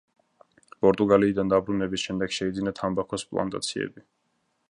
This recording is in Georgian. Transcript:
პორტუგალიიდან დაბრუნების შემდეგ შეიძინა თამბაქოს პლანტაციები.